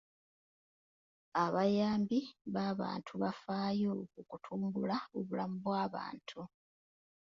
Abayambi b'abantu bafaayo ku kutumbula obulamu bw'abantu.